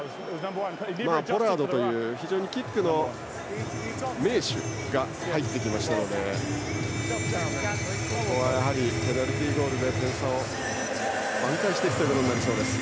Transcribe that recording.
ポラードという非常にキックの名手が入ってきましたのでここは、ペナルティーゴールで点差を挽回していくことになりそうです。